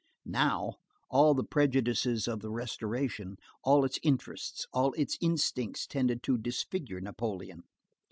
Now, all the prejudices of the Restoration, all its interests, all its instincts tended to disfigure Napoleon.